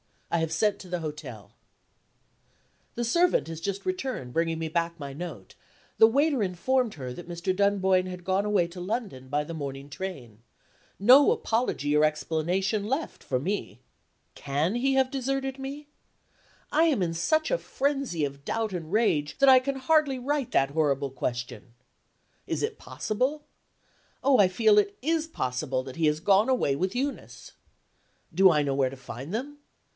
I have sent to the hotel. The servant has just returned, bringing me back my note. The waiter informed her that Mr. Dunboyne had gone away to London by the morning train. No apology or explanation left for me. Can he have deserted me? I am in such a frenzy of doubt and rage that I can hardly write that horrible question. Is it possible oh, I feel it is possible that he has gone away with Eunice. Do I know where to find them?